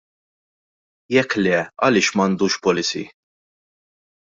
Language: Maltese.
Jekk le għaliex m'għandux policy?